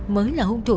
mới là hung thủ